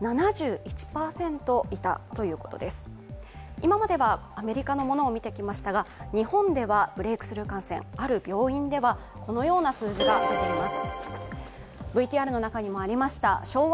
今まではアメリカのものを見てきましたが日本ではブレークスルー感染、ある病院ではこのような数字が出ています。